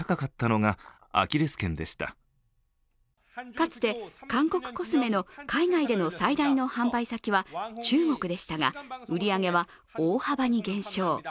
かつて韓国コスメの海外での最大の販売先は中国でしたが、売り上げは大幅に減少。